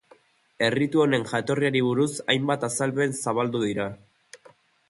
Erritu honen jatorriari buruz hainbat azalpen zabaldu dira.